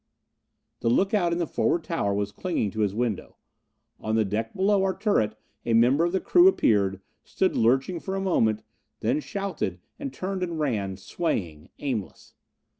The look out in the forward tower was clinging to his window. On the deck below our turret a member of the crew appeared, stood lurching for a moment, then shouted, and turned and ran, swaying, aimless.